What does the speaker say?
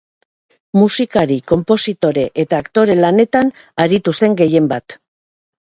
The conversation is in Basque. Musikari, konpositore eta aktore lanetan aritu zen gehienbat.